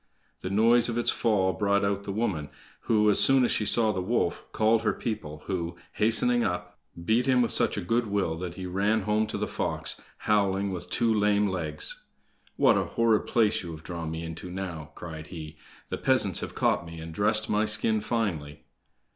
The noise of its fall brought out the woman, who, as soon as she saw the wolf, called her people, who, hastening up, beat him with such a good will that he ran home to the fox, howling, with two lame legs! "What a horrid place you have drawn me into now," cried he; "the peasants have caught me, and dressed my skin finely!"